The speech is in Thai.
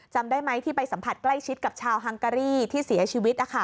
จำได้ไหมที่ไปสัมผัสใกล้ชิดกับชาวฮังการีที่เสียชีวิต